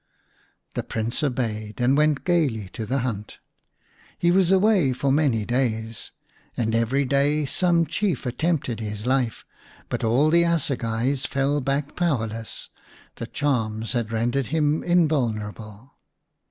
The Prince obeyed and went gaily to the hunt. He was away for many days, and every day some Chief attempted his life, but all the assegais fell back powerless. The charms had rendered him invulnerable.